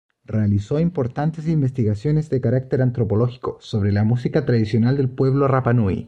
Realizó importantes investigaciones de carácter antropológico sobre la música tradicional del pueblo rapanui.